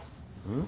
ん？